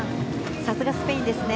さすがはスペインですね。